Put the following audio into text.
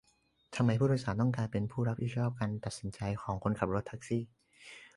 ทำไมผู้โดยสารต้องกลายเป็นผู้รับผิดชอบการตัดสินใจของคนขับรถแท็กซี่ ?